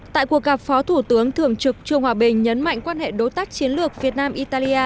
tại cuộc gặp phó thủ tướng thường trực trương hòa bình nhấn mạnh quan hệ đối tác chiến lược việt nam italia